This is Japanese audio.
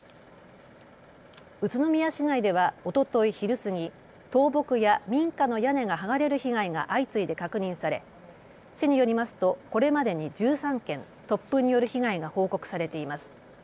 宇都宮市内ではおととい昼過ぎ、倒木や民家の屋根が剥がれる被害が相次いで確認され、市によりますとこれまでに１３件、突風による被害が報告されています。